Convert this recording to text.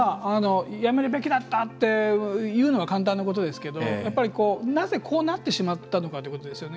やめるべきだったと言うのは簡単なことですけどなぜこうなってしまったのかということですよね。